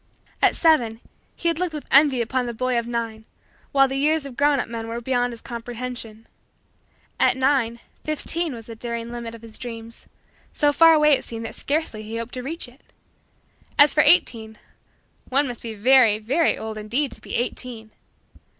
At seven, he had looked with envy upon the boy of nine while the years of grown up men were beyond his comprehension. At nine, fifteen was the daring limit of his dreams; so far away it seemed that scarcely he hoped to reach it. As for eighteen one must be very, very, old, indeed, to be eighteen.